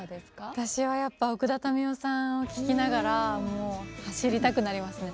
私はやっぱ奥田民生さんを聴きながら走りたくなりますね。